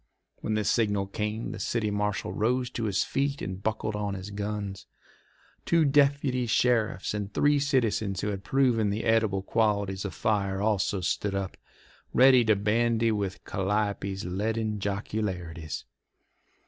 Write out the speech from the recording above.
When the signal came the city marshal rose to his feet and buckled on his guns. Two deputy sheriffs and three citizens who had proven the edible qualities of fire also stood up, ready to bandy with Calliope's leaden jocularities.